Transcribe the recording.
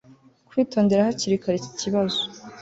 Kwitondera hakiri kare iki kibazo